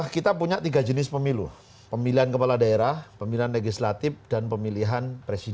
kita punya tiga jenis pemilu pemilihan kepala daerah pemilihan legislatif dan pemilihan presiden